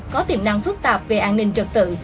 có tiềm năng phức tạp về an ninh trật tự